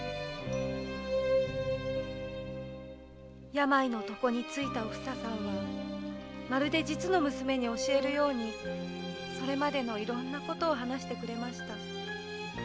病の床についたおふささんはまるで実の娘に教えるようにそれまでのいろんなことを話してくれました。